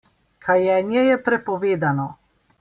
Kajenje je prepovedano.